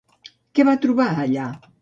Què va trobar allà?